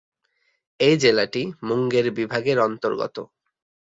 এই জেলাটি মুঙ্গের বিভাগের অন্তর্গত।